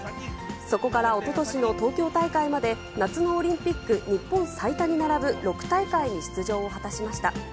そこからおととしの東京大会まで、夏のオリンピック日本最多に並ぶ６大会に出場を果たしました。